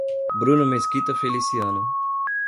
Bruno Mesquita Feliciano